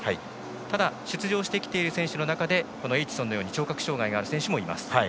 ただ、出場してきている選手の中でエイチソンのように聴覚障がいがある選手もいます。